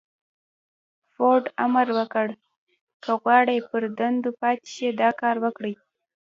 فورډ امر وکړ که غواړئ پر دندو پاتې شئ دا کار وکړئ.